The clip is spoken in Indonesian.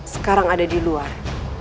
sekarang ada di luar